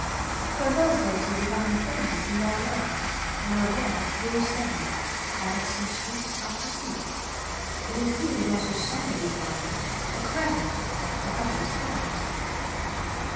Her Thursdays were becoming famous in their world; and their world grew steadily, annexing street after street. It included also Somebodys Gardens, a Crescent a couple of Squares.